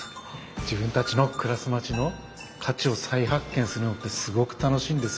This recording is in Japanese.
自分たちの暮らす街の価値を再発見するのってすごく楽しいんですよ。